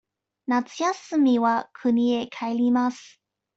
夏休みは国へ帰ります。